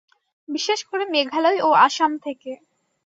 বিশেষ করে মেঘালয় ও আসাম থেকে।